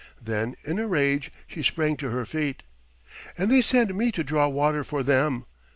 Then in a rage she sprang to her feet. "And they send me to draw water for them!